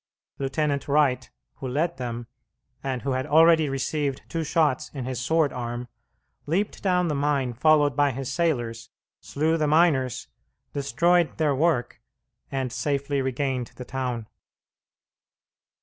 Lieutenant Wright, who led them, and who had already received two shots in his sword arm, leaped down the mine followed by his sailors, slew the miners, destroyed their work, and safely regained the town.